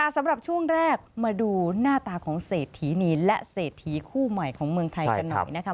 สำหรับช่วงแรกมาดูหน้าตาของเศรษฐีนีและเศรษฐีคู่ใหม่ของเมืองไทยกันหน่อยนะคะ